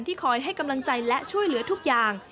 คอยให้กำลังใจและช่วยเหลือทุกอย่าง